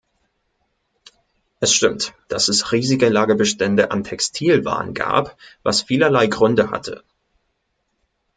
Es stimmt, dass es riesige Lagerbestände an Textilwaren gab, was vielerlei Gründe hatte.